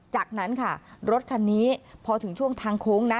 จากนั้นค่ะรถคันนี้พอถึงช่วงทางโค้งนะ